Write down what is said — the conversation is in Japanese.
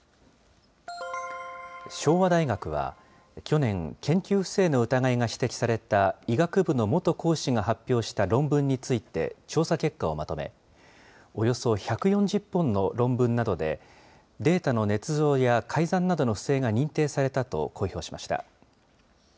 昭和大学は去年、研究不正の疑いが指摘された医学部の元講師が発表した論文について調査結果をまとめ、およそ１４０本の論文などでデータのねつ造や改ざんなどの不正が認定されたと公表しました。